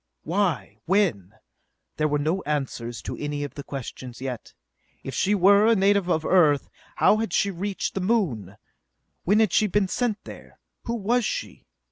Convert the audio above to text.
Why? When? There were no answers to any of the questions yet. If she were a native of Earth, how had she reached the Moon? When had she been sent there? Who was she?